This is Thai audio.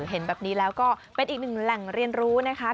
เห็นแบบนี้แล้วก็เป็นอีกหนึ่งแหล่งเรียนรู้นะคะ